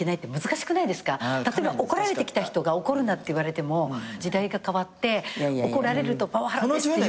例えば怒られてきた人が怒るなって言われても時代が変わって怒られるとパワハラですって。